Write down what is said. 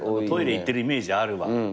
トイレ行ってるイメージあるわ。